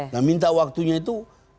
nah minta waktunya itu